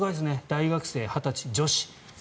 大学生、２０歳女子。